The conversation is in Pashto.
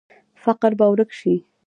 فقر به ورک شي؟